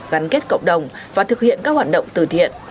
gắn kết cộng đồng và thực hiện các hoạt động từ thiện